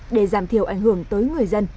để giảm thiểu ảnh hưởng tới người dân